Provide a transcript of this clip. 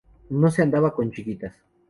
No se andaba con chiquitas